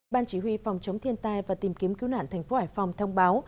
ban chỉ huy phòng chống thiên tai và tìm kiếm cứu nạn thành phố hải phòng thông báo